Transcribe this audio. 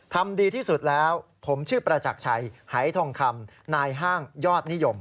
ทำดีที่สุดแล้วผมชื่อประจักรชัยหายทองคำนายห้างยอดนิยม